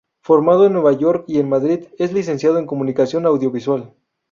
Formado en Nueva York y en Madrid, es licenciado en Comunicación Audiovisual.